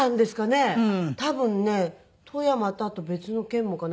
多分ね富山とあと別の県もかな。